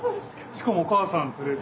しかもお母さん連れて。